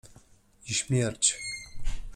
I śmierć.